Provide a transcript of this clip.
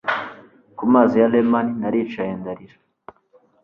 Ku mazi ya Leman naricaye ndarira